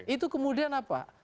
itu kemudian apa